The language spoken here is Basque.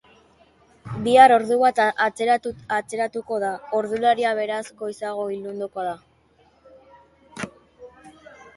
Bihar ordu bat atzeratuko da ordularia, beraz, goizago ilunduko da.